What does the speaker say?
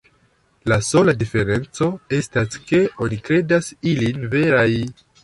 La sola diferenco estas, ke oni kredas ilin veraj.